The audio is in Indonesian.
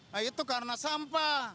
nah itu karena sampah